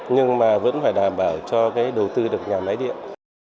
nhưng mà vẫn phải đảm bảo cho cái đầu tư được nhà máy điện